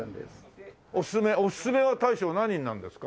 おすすめおすすめは大将何になるんですか？